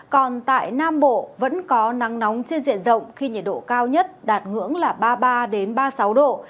còn tại nam bộ vẫn có nắng nóng trên diện rộng khi nhiệt độ cao nhất đạt ngưỡng là ba mươi ba ba mươi sáu độ